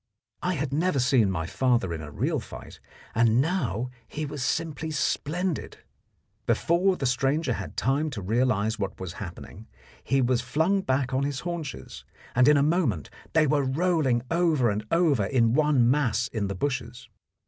I had never seen my father in a real fight, and now he was simply splendid. Before the stranger had time to realize what was happening, he was flung back on his haunches, and in a moment they were rolling over and over in one mass in the bushes.